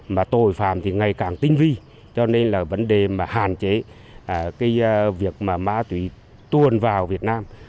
mà tội phạm thì ngày càng tinh vi cho nên là vấn đề mà hạn chế cái việc mà ma túy tuồn vào việt nam